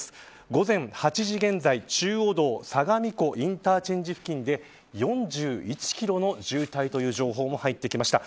午前８時現在、中央道相模湖インターチェンジ付近で４１キロの渋滞という情報も入ってきました。